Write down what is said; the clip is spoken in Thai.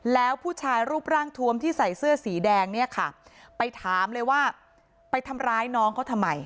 แล้วผู้ชายรูปร่างทวมที่ใส่เสื้อสีแดงเนี่ยค่ะไปถามเลยว่าไปทำร้ายน้องเขาทำไม